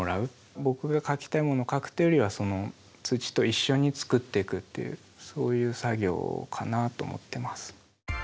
僕が描きたいものを描くっていうよりは土と一緒に作っていくっていうそういう作業かなと思ってます。